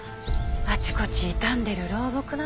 あちこち傷んでる老木なのよ。